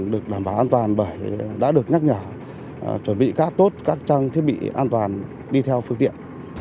được đảm bảo an toàn bởi đã được nhắc nhở chuẩn bị khá tốt các trang thiết bị an toàn đi theo phương tiện